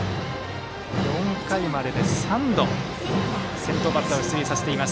４回までで３度先頭バッターを出塁させています。